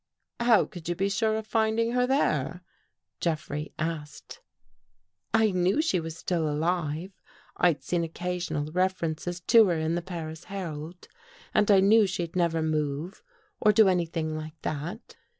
" How could you be sure of finding her there? " Jeffrey asked. j " I knew she was still alive. I'd seen occasional ' references to her in the Paris Herald and I knew , she'd never move or do anything like that.